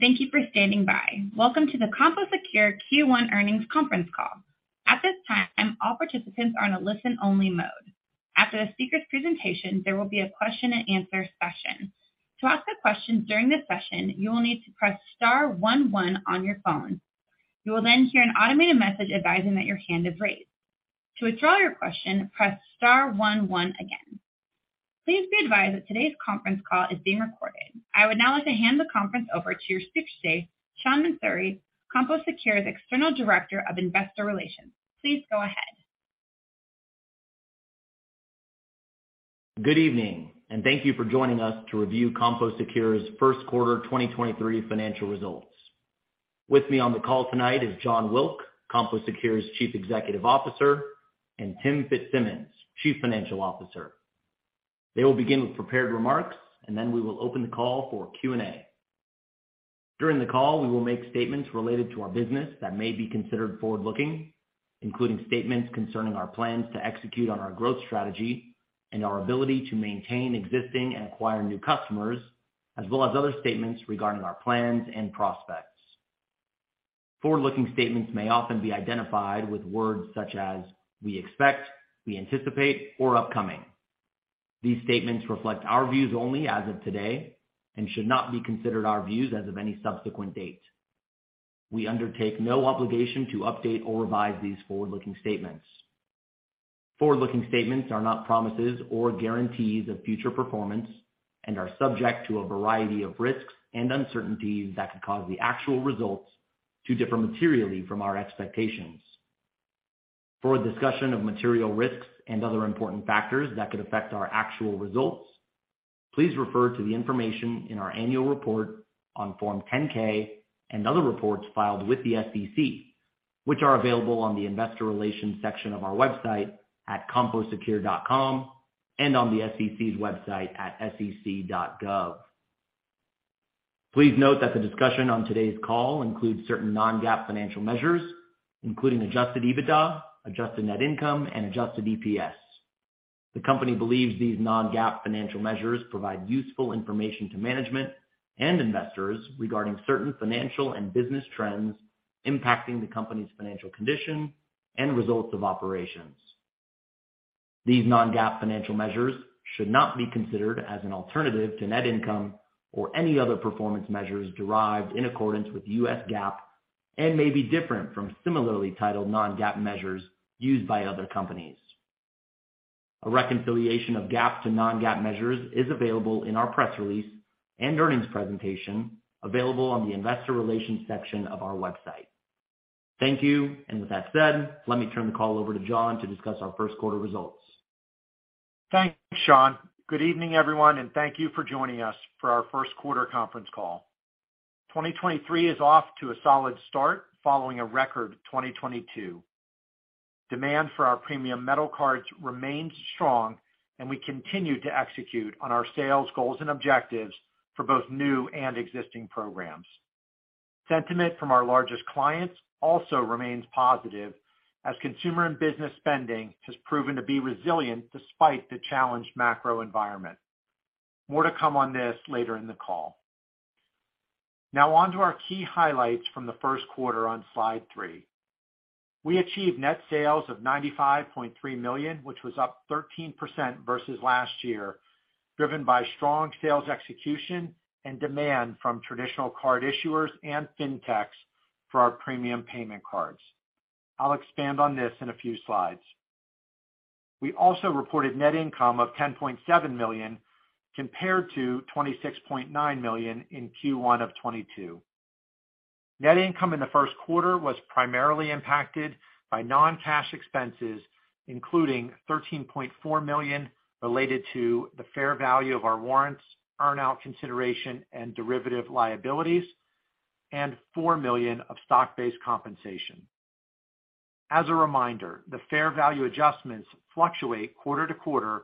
Thank you for standing by. Welcome to the CompoSecure Q1 Earnings Conference Call. At this time, all participants are on a listen only mode. After the speaker's presentation, there will be a question and answer session. To ask a question during this session, you will need to press star one one on your phone. You will then hear an automated message advising that your hand is raised. To withdraw your question, press star one one again. Please be advised that today's conference call is being recorded. I would now like to hand the conference over to your speaker today, Sean Mansouri, CompoSecure's External Director of Investor Relations. Please go ahead. Good evening, and thank you for joining us to review CompoSecure's first quarter 2023 financial results. With me on the call tonight is Jon Wilk, CompoSecure's Chief Executive Officer, and Tim Fitzsimmons, Chief Financial Officer. They will begin with prepared remarks, then we will open the call for Q&A. During the call, we will make statements related to our business that may be considered forward-looking, including statements concerning our plans to execute on our growth strategy and our ability to maintain existing and acquire new customers, as well as other statements regarding our plans and prospects. Forward-looking statements may often be identified with words such as "we expect," "we anticipate," or "upcoming." These statements reflect our views only as of today and should not be considered our views as of any subsequent date. We undertake no obligation to update or revise these forward-looking statements. Forward-looking statements are not promises or guarantees of future performance and are subject to a variety of risks and uncertainties that could cause the actual results to differ materially from our expectations. For a discussion of material risks and other important factors that could affect our actual results, please refer to the information in our annual report on Form 10-K and other reports filed with the SEC, which are available on the investor relations section of our website at composecure.com and on the SEC's website at sec.gov. Please note that the discussion on today's call includes certain non-GAAP financial measures, including Adjusted EBITDA, adjusted net income, and adjusted EPS. The company believes these non-GAAP financial measures provide useful information to management and investors regarding certain financial and business trends impacting the company's financial condition and results of operations. These non-GAAP financial measures should not be considered as an alternative to net income or any other performance measures derived in accordance with U.S. GAAP and may be different from similarly titled non-GAAP measures used by other companies. A reconciliation of GAAP to non-GAAP measures is available in our press release and earnings presentation available on the investor relations section of our website. Thank you. With that said, let me turn the call over to Jon to discuss our first quarter results. Thanks, Sean. Good evening, everyone, and thank you for joining us for our first quarter conference call. 2023 is off to a solid start, following a record 2022. Demand for our premium metal cards remains strong, and we continue to execute on our sales goals and objectives for both new and existing programs. Sentiment from our largest clients also remains positive as consumer and business spending has proven to be resilient despite the challenged macro environment. More to come on this later in the call. Onto our key highlights from the first quarter on Slide 3. We achieved net sales of $95.3 million, which was up 13% versus last year, driven by strong sales execution and demand from traditional card issuers and Fintechs for our premium payment cards. I'll expand on this in a few slides. We also reported net income of $10.7 million compared to $26.9 million in Q1 of 2022. Net income in the first quarter was primarily impacted by non-cash expenses, including $13.4 million related to the fair value of our warrants, earn-out consideration, and derivative liabilities, and $4 million of stock-based compensation. As a reminder, the fair value adjustments fluctuate quarter-to-quarter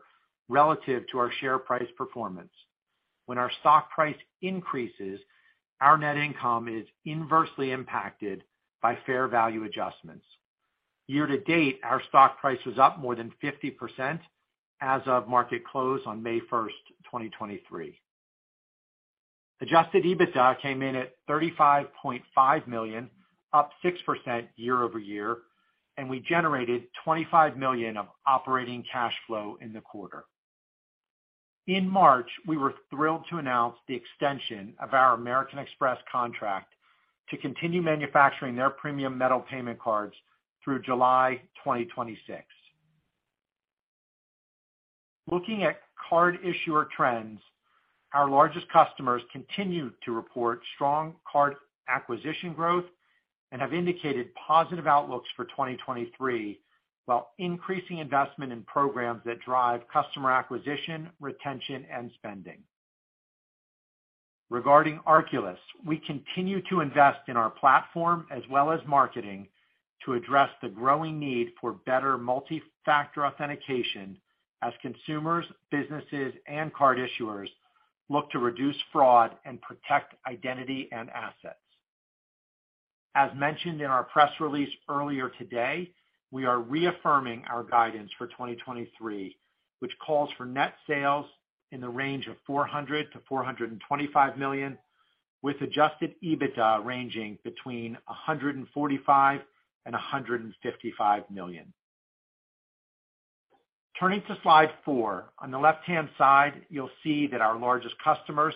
relative to our share price performance. When our stock price increases, our net income is inversely impacted by fair value adjustments. Year to date, our stock price is up more than 50% as of market close on May 1st, 2023. Adjusted EBITDA came in at $35.5 million, up 6% year-over-year, and we generated $25 million of operating cash flow in the quarter. In March, we were thrilled to announce the extension of our American Express Contract to continue manufacturing their premium metal payment cards through July 2026. Looking at card issuer trends, our largest customers continue to report strong card acquisition growth and have indicated positive outlooks for 2023, while increasing investment in programs that drive customer acquisition, retention, and spending. Regarding Arculus, we continue to invest in our platform as well as marketing to address the growing need for better multi-factor authentication as consumers, businesses, and card issuers look to reduce fraud and protect identity and assets. As mentioned in our press release earlier today, we are reaffirming our guidance for 2023, which calls for net sales in the range of $400 million-$425 million, with Adjusted EBITDA ranging between $145 million and $155 million. Turning to Slide 4. On the left-hand side, you'll see that our largest customers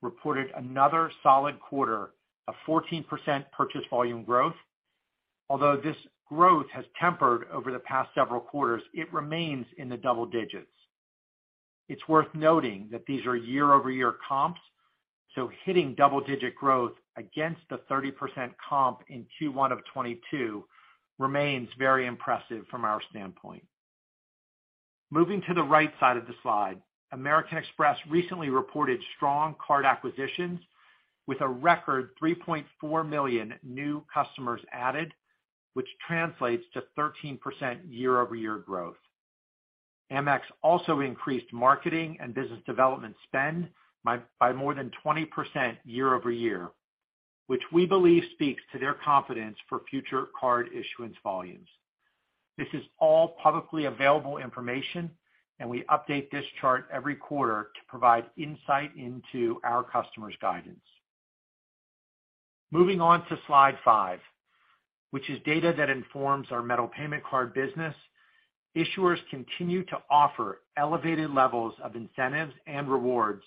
reported another solid quarter of 14% purchase volume growth. Although this growth has tempered over the past several quarters, it remains in the double digits. It's worth noting that these are year-over-year comps, so hitting double-digit growth against the 30% comp in Q1 of 2022 remains very impressive from our standpoint. Moving to the right side of the slide, American Express recently reported strong card acquisitions with a record 3.4 million new customers added, which translates to 13% year-over-year growth. Amex also increased marketing and business development spend by more than 20% year-over-year, which we believe speaks to their confidence for future card issuance volumes. This is all publicly available information, and we update this chart every quarter to provide insight into our customers' guidance. Moving on to Slide 5, which is data that informs our metal payment card business, issuers continue to offer elevated levels of incentives and rewards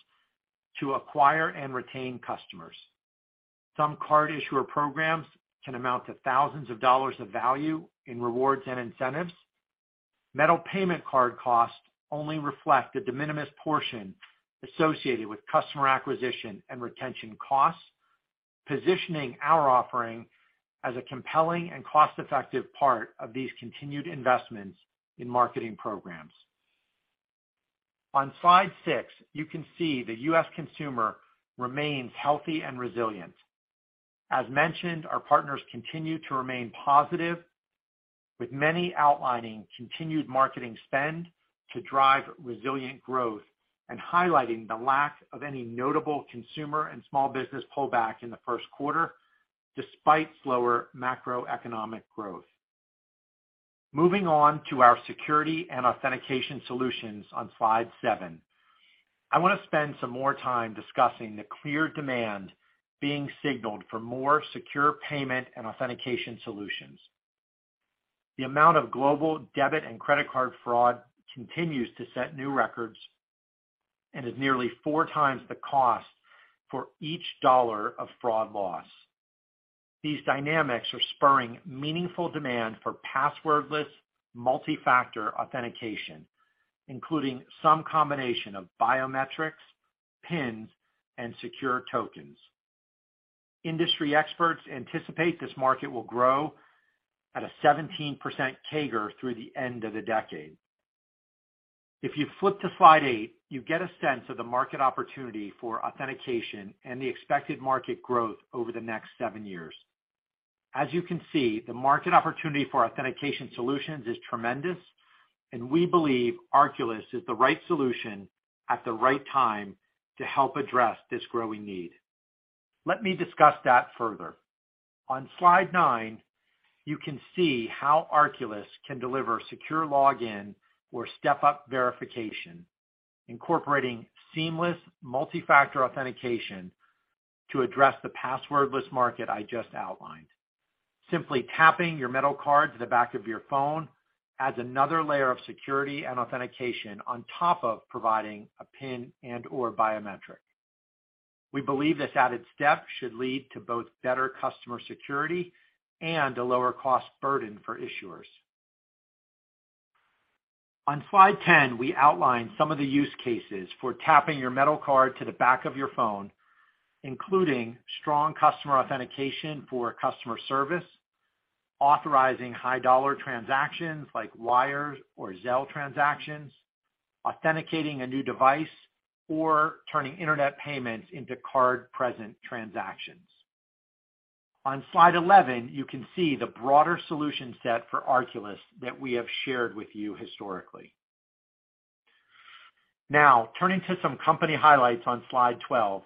to acquire and retain customers. Some card issuer programs can amount to thousands of dollars of value in rewards and incentives. Metal payment card costs only reflect the de minimis portion associated with customer acquisition and retention costs, positioning our offering as a compelling and cost-effective part of these continued investments in marketing programs. On Slide 6, you can see the U.S. consumer remains healthy and resilient. As mentioned, our partners continue to remain positive, with many outlining continued marketing spend to drive resilient growth and highlighting the lack of any notable consumer and small business pullback in the first quarter despite slower macroeconomic growth. Moving on to our security and authentication solutions on Slide 7. I want to spend some more time discussing the clear demand being signaled for more secure payment and authentication solutions. The amount of global debit and credit card fraud continues to set new records, and is nearly 4x the cost for each dollar of fraud loss. These dynamics are spurring meaningful demand for passwordless multi-factor authentication, including some combination of biometrics, PINs, and secure tokens. Industry experts anticipate this market will grow at a 17% CAGR through the end of the decade. If you flip to Slide 8, you get a sense of the market opportunity for authentication and the expected market growth over the next seven years. As you can see, the market opportunity for authentication solutions is tremendous, and we believe Arculus is the right solution at the right time to help address this growing need. Let me discuss that further. On Slide 9, you can see how Arculus can deliver secure login or step-up verification, incorporating seamless multi-factor authentication to address the passwordless Market I just outlined. Simply tapping your metal card to the back of your phone adds another layer of security and authentication on top of providing a PIN and/or biometric. We believe this added step should lead to both better customer security and a lower cost burden for issuers. On Slide 10, we outline some of the use cases for tapping your metal card to the back of your phone, including Strong Customer Authentication for customer service, authorizing high dollar transactions like wires or Zelle transactions, authenticating a new device, or turning internet payments into card-present transactions. On Slide 11, you can see the broader solution set for Arculus that we have shared with you historically. Turning to some company highlights on Slide 12.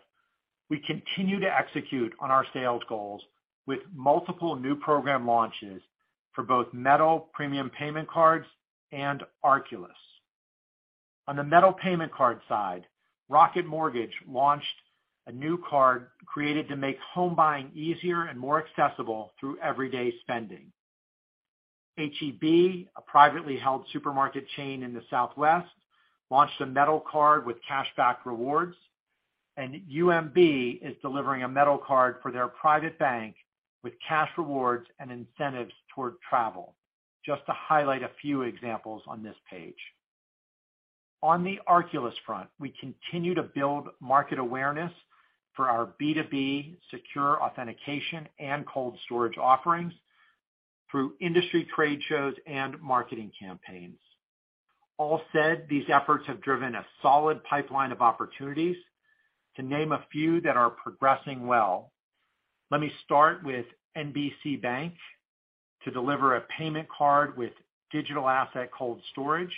We continue to execute on our sales goals with multiple new program launches for both metal premium payment cards and Arculus. On the metal payment card side, Rocket Mortgage launched a new card created to make home buying easier and more accessible through everyday spending. H-E-B, a privately held supermarket chain in the Southwest, launched a metal card with cashback rewards. UMB is delivering a metal card for their private bank with cash rewards and incentives toward travel, just to highlight a few examples on this page. On the Arculus front, we continue to build market awareness for our B2B secure authentication and cold storage offerings through industry trade shows and marketing campaigns. All said, these efforts have driven a solid pipeline of opportunities to name a few that are progressing well. Let me start with NBCBANQ to deliver a payment card with digital asset cold storage.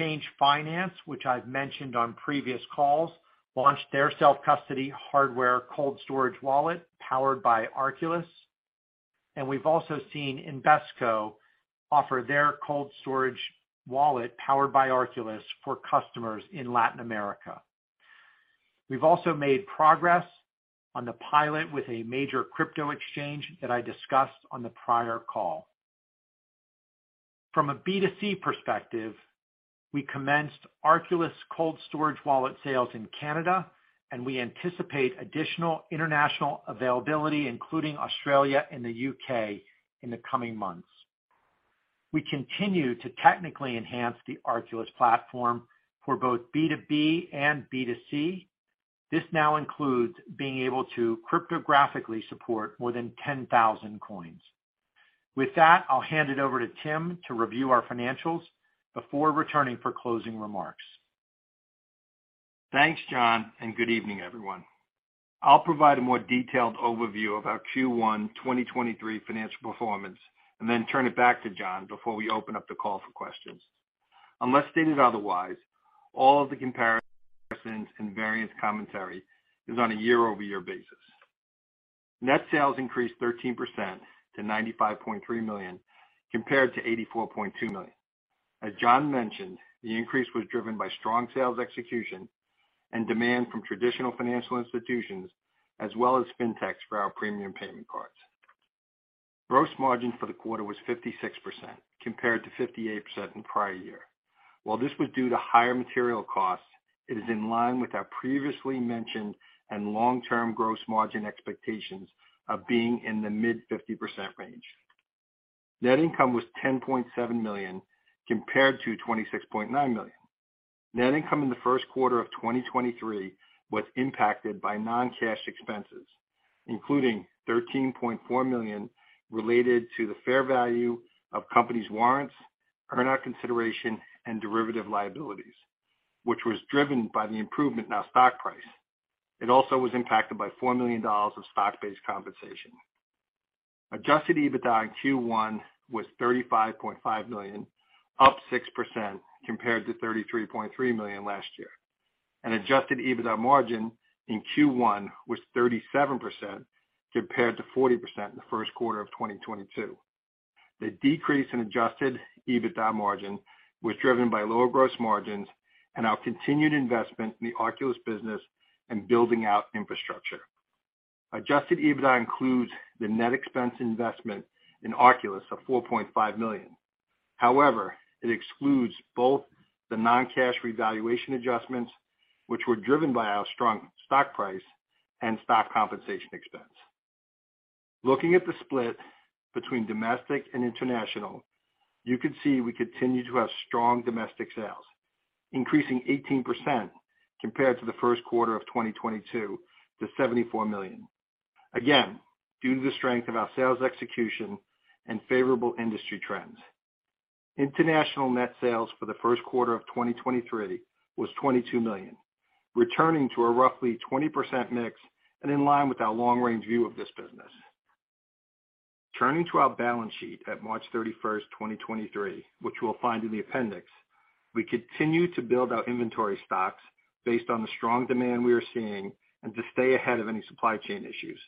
Chainge Finance, which I've mentioned on previous calls, launched their self-custody hardware cold storage wallet powered by Arculus. We've also seen INBESTGO offer their cold storage wallet powered by Arculus for customers in Latin America. We've also made progress on the pilot with a major crypto exchange that I discussed on the prior call. From a B2C perspective, we commenced Arculus cold storage wallet sales in Canada, and we anticipate additional international availability, including Australia and the UK in the coming months. We continue to technically enhance the Arculus platform for both B2B and B2C. This now includes being able to cryptographically support more than 10,000 coins. With that, I'll hand it over to Tim to review our financials before returning for closing remarks. Thanks, Jon. Good evening, everyone. I'll provide a more detailed overview of our Q1 2023 financial performance then turn it back to Jon before we open up the call for questions. Unless stated otherwise, all of the comparisons and variance commentary is on a year-over-year basis. Net sales increased 13% to $95.3 million, compared to $84.2 million. As Jon mentioned, the increase was driven by strong sales execution and demand from traditional financial institutions as well as fintechs for our premium payment cards. Gross margin for the quarter was 56% compared to 58% in prior year. While this was due to higher material costs, it is in line with our previously mentioned and long-term gross margin expectations of being in the mid-50% range. Net income was $10.7 million compared to $26.9 million. Net income in the first quarter of 2023 was impacted by non-cash expenses, including $13.4 million related to the fair value of company's warrants, earn-out consideration, and derivative liabilities, which was driven by the improvement in our stock price. It also was impacted by $4 million of stock-based compensation. Adjusted EBITDA in Q1 was $35.5 million, up 6% compared to $33.3 million last year. Adjusted EBITDA margin in Q1 was 37% compared to 40% in the first quarter of 2022. The decrease in Adjusted EBITDA margin was driven by lower gross margins and our continued investment in the Arculus business and building out infrastructure. Adjusted EBITDA includes the net expense investment in Arculus of $4.5 million. However, it excludes both the non-cash revaluation adjustments which were driven by our strong stock price and stock compensation expense. Looking at the split between domestic and international, you can see we continue to have strong domestic sales, increasing 18% compared to the first quarter of 2022 to $74 million. Again, due to the strength of our sales execution and favorable industry trends. International net sales for the first quarter of 2023 was $22 million, returning to a roughly 20% mix and in line with our long-range view of this business. Turning to our balance sheet at March 31, 2023, which we'll find in the appendix. We continue to build our inventory stocks based on the strong demand we are seeing and to stay ahead of any supply chain issues.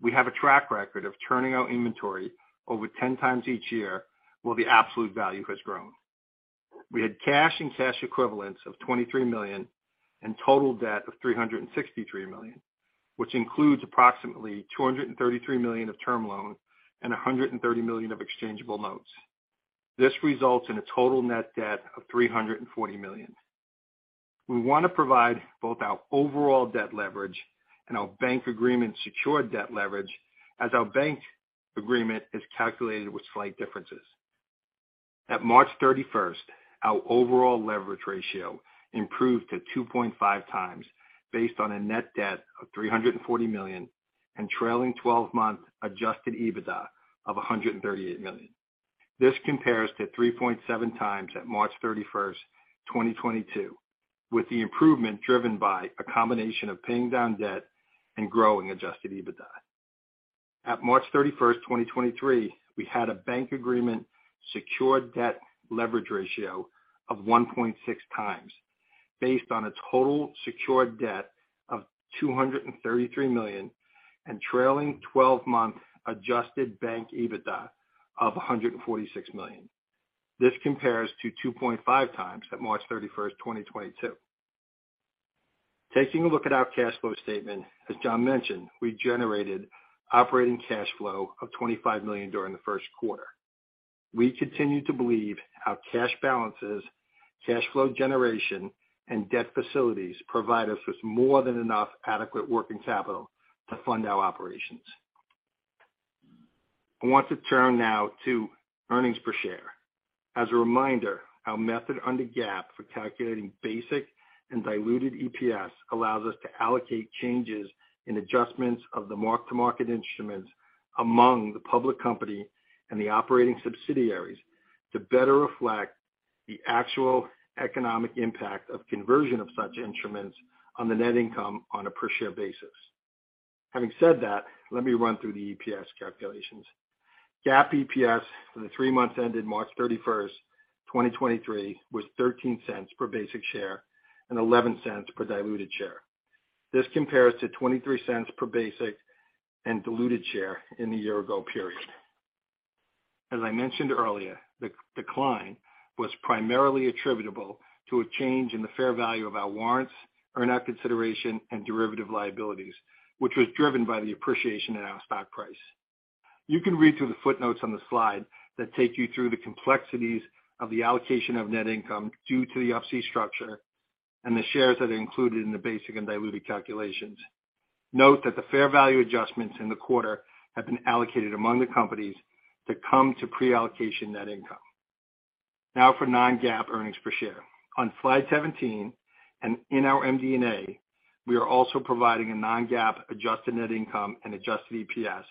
We have a track record of turning our inventory over 10x each year while the absolute value has grown. We had cash and cash equivalents of $23 million and total debt of $363 million, which includes approximately $233 million of term loan and $130 million of exchangeable notes. This results in a total net debt of $340 million. We want to provide both our overall debt leverage and our bank agreement secured debt leverage as our bank agreement is calculated with slight differences. At March 31st, our overall leverage ratio improved to 2.5x based on a net debt of $340 million and trailing twelve-month Adjusted EBITDA of $138 million. This compares to 3.7x at March 31st, 2022, with the improvement driven by a combination of paying down debt and growing Adjusted EBITDA. At March 31st, 2023, we had a bank agreement secured debt leverage ratio of 1.6x based on a total secured debt of $233 million and trailing twelve-month adjusted bank EBITDA of $146 million. This compares to 2.5x at March 31st, 2022. Taking a look at our cash flow statement, as Jon mentioned, we generated operating cash flow of $25 million during the first quarter. We continue to believe our cash balances, cash flow generation, and debt facilities provide us with more than enough adequate working capital to fund our operations. I want to turn now to earnings per share. As a reminder, our method under GAAP for calculating basic and diluted EPS allows us to allocate changes in adjustments of the mark-to-market instruments among the public company and the operating subsidiaries to better reflect the actual economic impact of conversion of such instruments on the net income on a per share basis. Having said that, let me run through the EPS calculations. GAAP EPS for the three months ended March 31st, 2023 was $0.13 per basic share and $0.11 per diluted share. This compares to $0.23 per basic and diluted share in the year-ago period. As I mentioned earlier, the decline was primarily attributable to a change in the fair value of our warrants, earn-out consideration, and derivative liabilities, which was driven by the appreciation in our stock price. You can read through the footnotes on the slide that take you through the complexities of the allocation of net income due to the Up-C structure and the shares that are included in the basic and diluted calculations. Note that the fair value adjustments in the quarter have been allocated among the companies that come to pre-allocation net income. For non-GAAP earnings per share. On Slide 17 and in our MD&A, we are also providing a non-GAAP adjusted net income and adjusted EPS,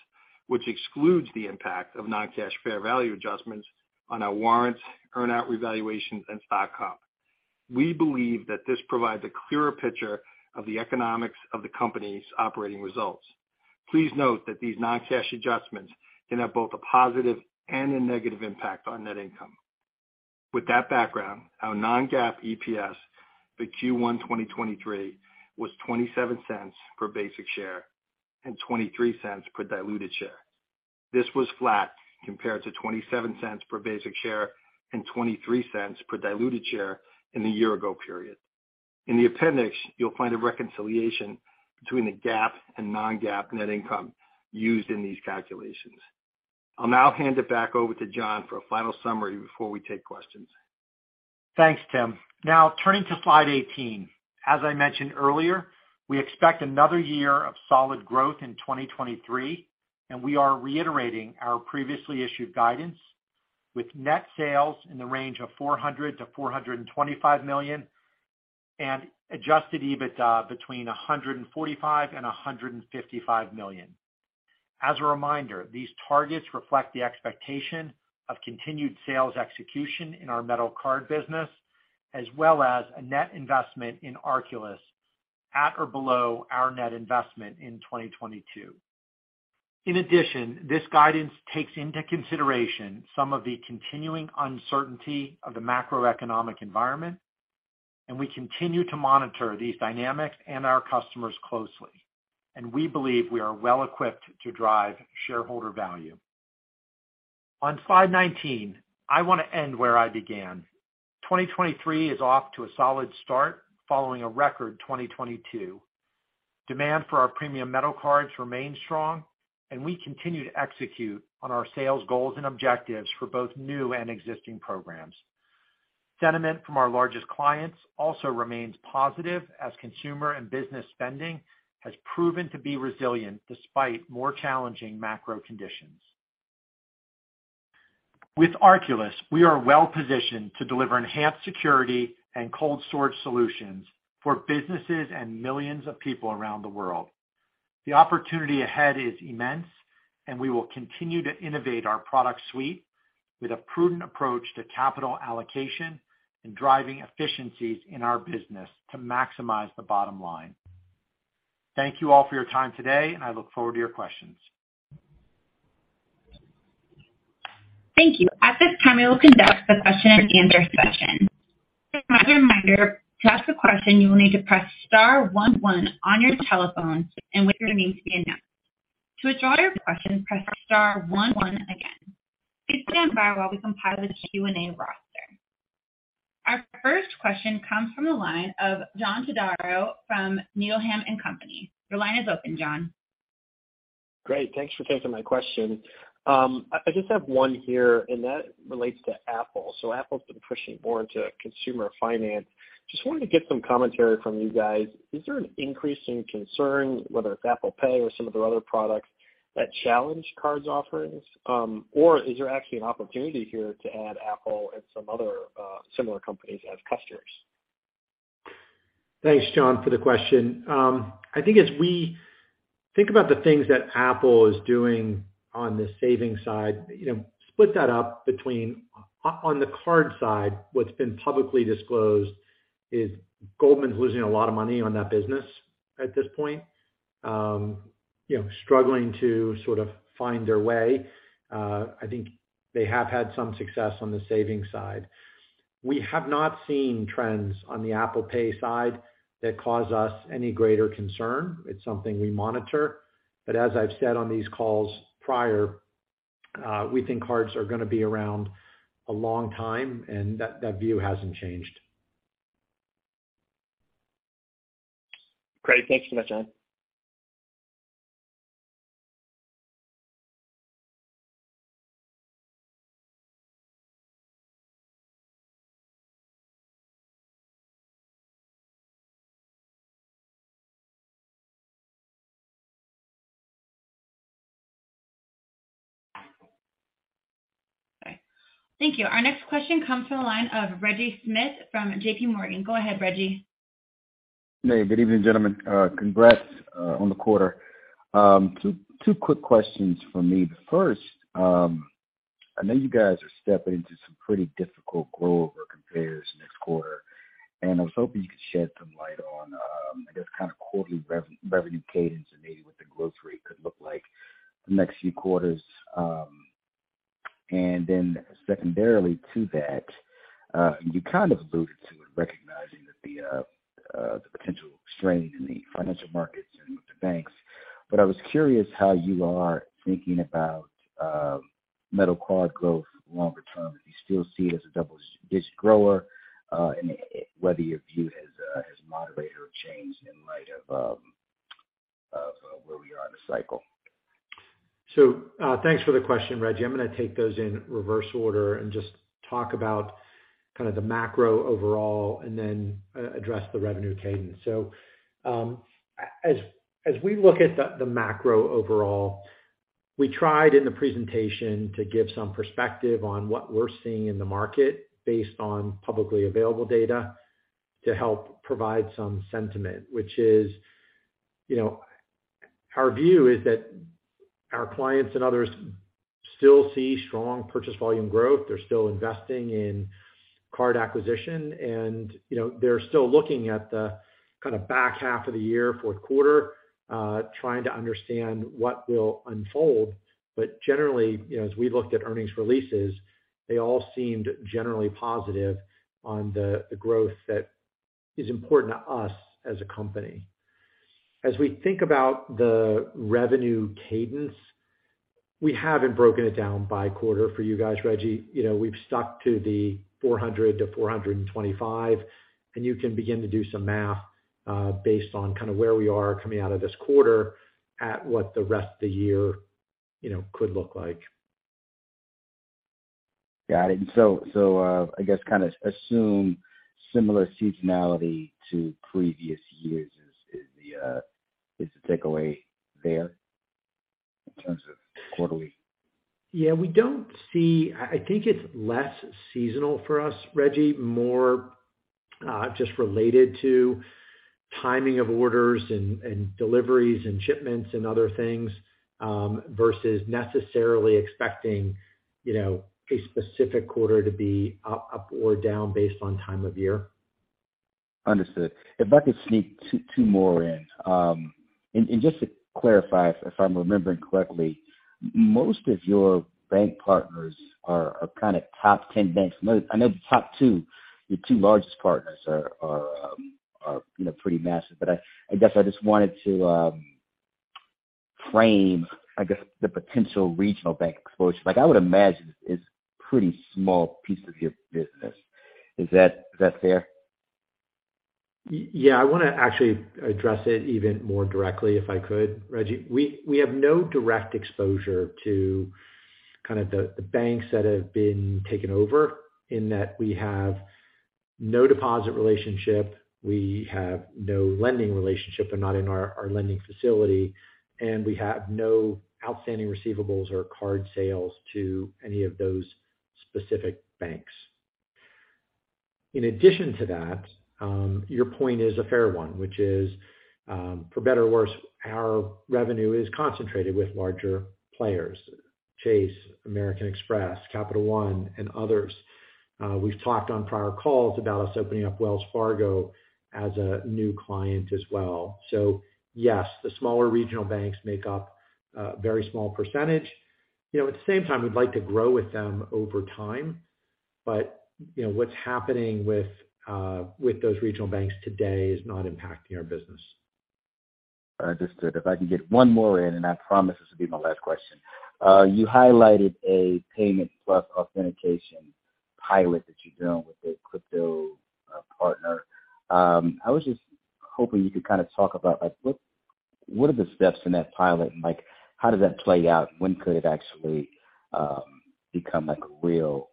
which excludes the impact of non-cash fair value adjustments on our warrants, earn-out revaluation, and stock comp. We believe that this provides a clearer picture of the economics of the company's operating results. Please note that these non-cash adjustments can have both a positive and a negative impact on net income. With that background, our non-GAAP EPS for Q1 2023 was $0.27 per basic share and $0.23 per diluted share. This was flat compared to $0.27 per basic share and $0.23 per diluted share in the year ago period. In the appendix, you'll find a reconciliation between the GAAP and non-GAAP net income used in these calculations. I'll now hand it back over to Jon for a final summary before we take questions. Thanks, Tim. Now turning to Slide 18. As I mentioned earlier, we expect another year of solid growth in 2023. We are reiterating our previously issued guidance with net sales in the range of $400 million-$425 million and Adjusted EBITDA between $145 million-$155 million. As a reminder, these targets reflect the expectation of continued sales execution in our metal card business, as well as a net investment in Arculus at or below our net investment in 2022. In addition, this guidance takes into consideration some of the continuing uncertainty of the macroeconomic environment. We continue to monitor these dynamics and our customers closely. We believe we are well equipped to drive shareholder value. On Slide 19, I want to end where I began. 2023 is off to a solid start following a record 2022. Demand for our premium metal cards remains strong, and we continue to execute on our sales goals and objectives for both new and existing programs. Sentiment from our largest clients also remains positive as consumer and business spending has proven to be resilient despite more challenging macro conditions. With Arculus, we are well positioned to deliver enhanced security and cold storage solutions for businesses and millions of people around the world. The opportunity ahead is immense, and we will continue to innovate our product suite with a prudent approach to capital allocation and driving efficiencies in our business to maximize the bottom line. Thank you all for your time today, and I look forward to your questions. Thank you. At this time, we will conduct the question and answer session. As a reminder, to ask a question, you will need to press star one one on your telephone and wait for your name to be announced. To withdraw your question, press star one one again. Please stand by while we compile the Q&A roster. Our first question comes from the line of John Todaro from Needham & Company. Your line is open, John. Great. Thanks for taking my question. I just have one here that relates to Apple. Apple's been pushing more into consumer finance. Just wanted to get some commentary from you guys. Is there an increasing concern, whether it's Apple Pay or some of their other products that challenge cards offerings, or is there actually an opportunity here to add Apple and some other similar companies as customers? Thanks, John, for the question. I think as we think about the things that Apple is doing on the savings side, you know, split that up between on the card side, what's been publicly disclosed is Goldman's losing a lot of money on that business at this point. You know, struggling to sort of find their way. I think they have had some success on the savings side. We have not seen trends on the Apple Pay side that cause us any greater concern. It's something we monitor. As I've said on these calls prior, we think cards are gonna be around a long time, and that view hasn't changed. Great. Thanks so much, Jon. Okay, thank you. Our next question comes from the line of Reggie Smith from JPMorgan. Go ahead, Reggie. Hey, good evening, gentlemen. Congrats on the quarter. Two quick questions from me. The first. I know you guys are stepping into some pretty difficult grow over compares next quarter, and I was hoping you could shed some light on, I guess, kind of quarterly revenue cadence and maybe what the growth rate could look like the next few quarters. Secondarily to that, you kind of alluded to it, recognizing that the potential strain in the financial markets and with the banks, but I was curious how you are thinking about metal card growth longer term. If you still see it as a double-digit grower, and whether your view has moderated or changed in light of where we are in the cycle. Thanks for the question, Reggie. I'm gonna take those in reverse order and just talk about kind of the macro overall and then address the revenue cadence. As we look at the macro overall, we tried in the presentation to give some perspective on what we're seeing in the market based on publicly available data to help provide some sentiment, which is, you know, our view is that our clients and others still see strong purchase volume growth. They're still investing in card acquisition, and, you know, they're still looking at the kinda back half of the year, fourth quarter, trying to understand what will unfold. Generally, you know, as we looked at earnings releases, they all seemed generally positive on the growth that is important to us as a company. As we think about the revenue cadence, we haven't broken it down by quarter for you guys, Reggie. You know, we've stuck to the $400-$425, and you can begin to do some math, based on kinda where we are coming out of this quarter at what the rest of the year, you know, could look like. Got it. So, I guess kinda assume similar seasonality to previous years is the takeaway there in terms of quarterly? Yeah, I think it's less seasonal for us, Reggie. More, just related to timing of orders and deliveries and shipments and other things, versus necessarily expecting, you know, a specific quarter to be up or down based on time of year. Understood. If I could sneak two more in. Just to clarify, if I'm remembering correctly, most of your bank partners are kinda top 10 banks. I know the top two, your two largest partners are, you know, pretty massive. I guess I just wanted to frame, I guess, the potential regional bank exposure. Like I would imagine it's pretty small piece of your business. Is that fair? Yeah, I wanna actually address it even more directly if I could, Reggie. We have no direct exposure to kind of the banks that have been taken over in that we have no deposit relationship, we have no lending relationship. They're not in our lending facility, and we have no outstanding receivables or card sales to any of those specific banks. In addition to that, your point is a fair one, which is, for better or worse, our revenue is concentrated with larger players, Chase, American Express, Capital One, and others. We've talked on prior calls about us opening up Wells Fargo as a new client as well. Yes, the smaller regional banks make up a very small percentage. You know, at the same time, we'd like to grow with them over time, but, you know, what's happening with with those regional banks today is not impacting our business. Understood. If I can get one more in, I promise this will be my last question. You highlighted a payment plus authentication pilot that you're doing with a crypto, partner. I was just hoping you could kinda talk about, like, what are the steps in that pilot and like, how does that play out? When could it actually, become like a real,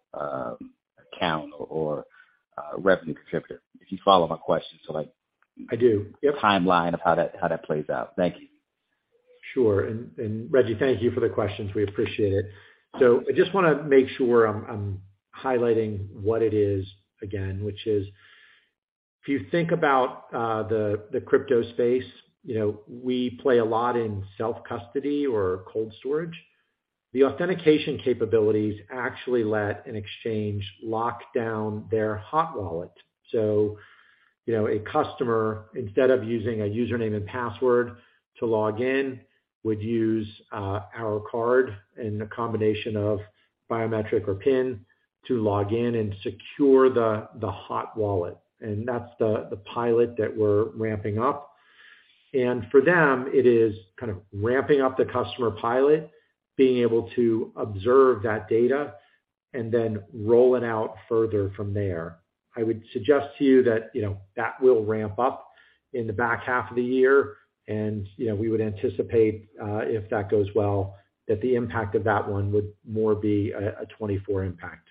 account or, revenue contributor? If you follow my question. So like. I do. Yep. The timeline of how that plays out. Thank you. Sure. Reggie, thank you for the questions. We appreciate it. I just want to make sure I'm highlighting what it is again, which is, if you think about the crypto space, you know, we play a lot in self-custody or cold storage. The authentication capabilities actually let an exchange lock down their hot wallet. You know, a customer, instead of using a username and password to log in, would use our card and a combination of biometric or PIN to log in and secure the hot wallet. That's the pilot that we're ramping up. For them, it is kind of ramping up the customer pilot, being able to observe that data and then roll it out further from there. I would suggest to you that, you know, that will ramp up in the back half of the year. You know, we would anticipate, if that goes well, that the impact of that one would more be a 2024 impact.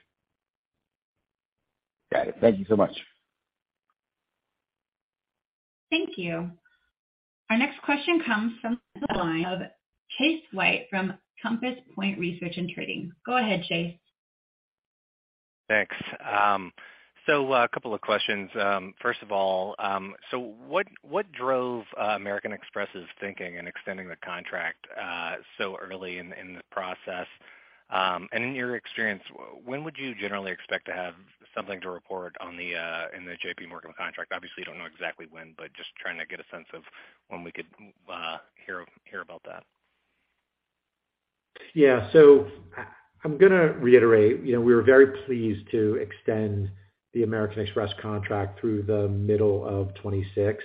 Got it. Thank you so much. Thank you. Our next question comes from the line of Chase White from Compass Point Research & Trading. Go ahead, Chase. Thanks. A couple of questions. First of all, what drove American Express's thinking in extending the contract so early in the process? In your experience, when would you generally expect to have something to report on the JPMorgan Contract? Obviously, you don't know exactly when, but just trying to get a sense of when we could hear about that. Yeah. I'm gonna reiterate, you know, we were very pleased to extend the American Express Contract through the middle of 2026.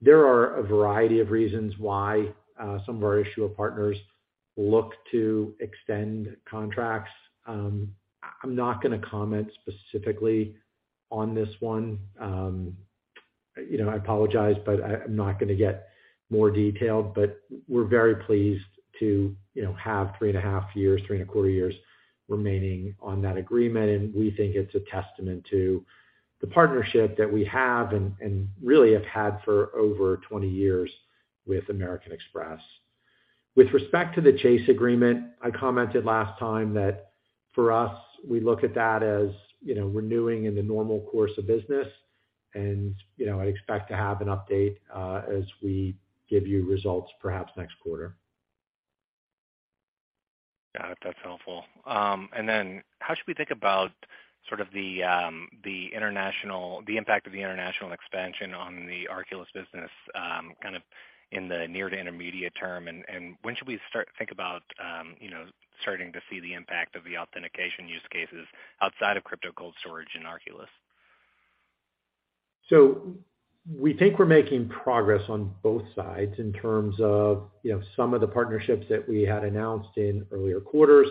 There are a variety of reasons why some of our issuer partners look to extend contracts. I'm not gonna comment specifically on this one. You know, I apologize, but I'm not gonna get more detailed. We're very pleased to, you know, have 3.5 years, 3.25 years remaining on that agreement. We think it's a testament to the partnership that we have and really have had for over 20 years with American Express. With respect to the Chase Agreement, I commented last time that for us, we look at that as, you know, renewing in the normal course of business. You know, I expect to have an update, as we give you results perhaps next quarter. Got it. That's helpful. How should we think about sort of the impact of the international expansion on the Arculus business, kind of in the near to intermediate term? When should we start to think about, you know, starting to see the impact of the authentication use cases outside of crypto cold storage in Arculus? We think we're making progress on both sides in terms of, you know, some of the partnerships that we had announced in earlier quarters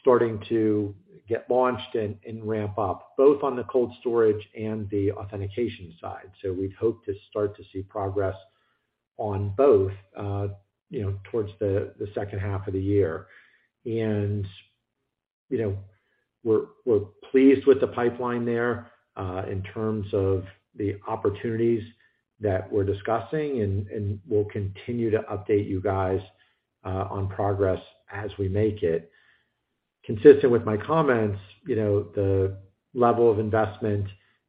starting to get launched and ramp up, both on the cold storage and the authentication side. We'd hope to start to see progress on both, you know, towards the second half of the year. You know, we're pleased with the pipeline there, in terms of the opportunities that we're discussing and we'll continue to update you guys on progress as we make it. Consistent with my comments, you know, the level of investment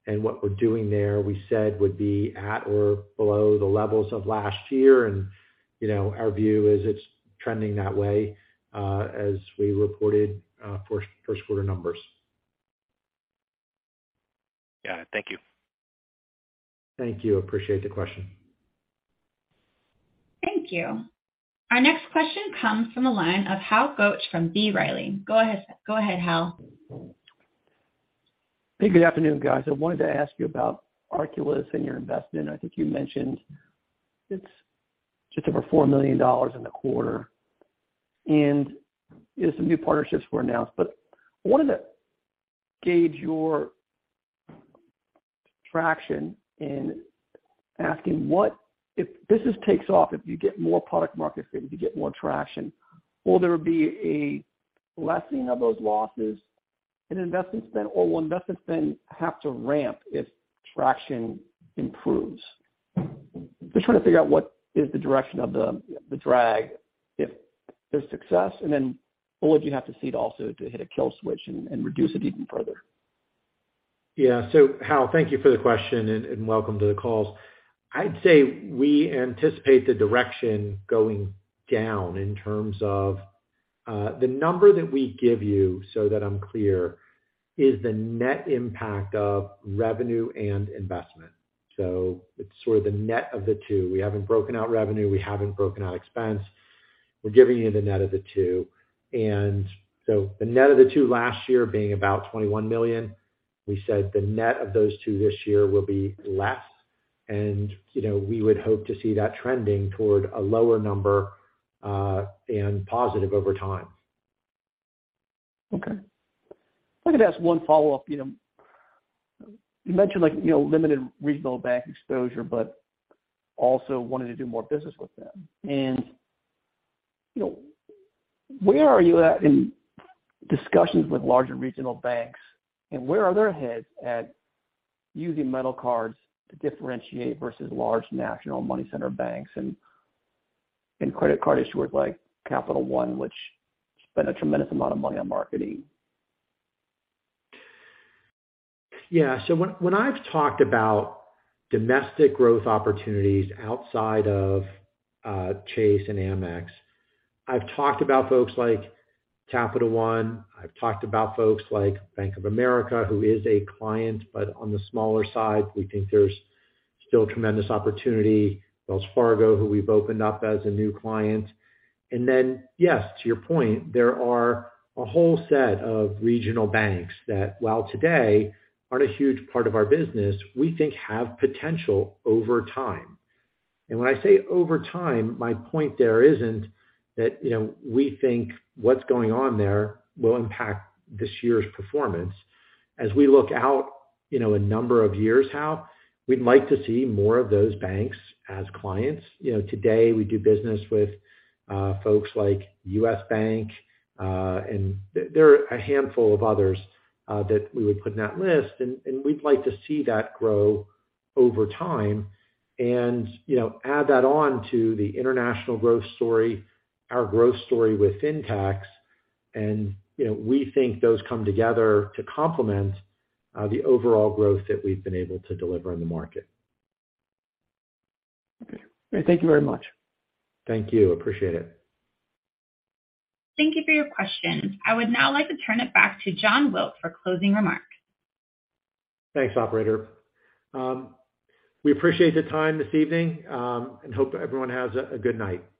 and what we're doing there, we said would be at or below the levels of last year. You know, our view is it's trending that way, as we reported, first quarter numbers. Got it. Thank you. Thank you. Appreciate the question. Thank you. Our next question comes from the line of Hal Goetsch from B. Riley. Go ahead, Hal. Hey, good afternoon, guys. I wanted to ask you about Arculus and your investment. I think you mentioned it's just over $4 million in the quarter, and you have some new partnerships were announced. I wanted to gauge your traction in asking if business takes off, if you get more product market fit, if you get more traction, will there be a lessening of those losses in investment spend, or will investment spend have to ramp if traction improves? Just trying to figure out what is the direction of the drag if there's success. What would you have to see to also hit a kill switch and reduce it even further? Yeah. Hal, thank you for the question and welcome to the call. I'd say we anticipate the direction going down in terms of the number that we give you, so that I'm clear, is the net impact of revenue and investment. It's sort of the net of the two. We haven't broken out revenue, we haven't broken out expense. We're giving you the net of the two. The net of the two last year being about $21 million, we said the net of those two this year will be less. You know, we would hope to see that trending toward a lower number and positive over time. Okay. If I could ask one follow-up item. You mentioned like, you know, limited regional bank exposure, but also wanted to do more business with them. You know, where are you at in discussions with larger regional banks, and where are their heads at using metal cards to differentiate versus large national money center banks and credit card issuers like Capital One, which spend a tremendous amount of money on marketing? Yeah. When I've talked about domestic growth opportunities outside of Chase and Amex, I've talked about folks like Capital One, I've talked about folks like Bank of America, who is a client, but on the smaller side. We think there's still tremendous opportunity. Wells Fargo, who we've opened up as a new client. Yes, to your point, there are a whole set of regional banks that while today aren't a huge part of our business, we think have potential over time. When I say over time, my point there isn't that, you know, we think what's going on there will impact this year's performance. As we look out, you know, a number of years, Hal, we'd like to see more of those banks as clients. You know, today we do business with folks like U.S. Bank, and there are a handful of others that we would put in that list. We'd like to see that grow over time and, you know, add that on to the international growth story, our growth story with fintech. You know, we think those come together to complement the overall growth that we've been able to deliver in the market. Okay. Thank you very much. Thank you. Appreciate it. Thank you for your question. I would now like to turn it back to Jon Wilk for closing remarks. Thanks, operator. We appreciate the time this evening, hope everyone has a good night. Thank you.